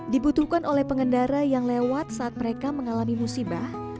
dibutuhkan oleh pengendara yang lewat saat mereka mengalami musibah